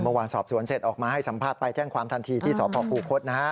เมื่อวานสอบสวนเสร็จออกมาให้สัมภาษณ์ไปแจ้งความทันทีที่สพคูคศ